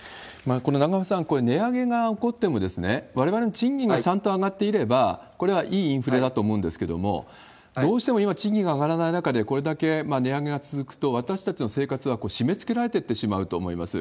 永濱さん、値上げが起こっても、われわれの賃金がちゃんと上がっていれば、これはいいインフレだと思うんですけれども、どうしても今、賃金が上がらない中で、これだけ値上げが続くと、私たちの生活は締めつけられていってしまうと思います。